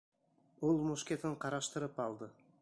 Ул мушкетын ҡараштырып алды.